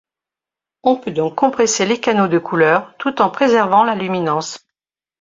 On peut donc compresser les canaux de couleur tout en préservant la luminance.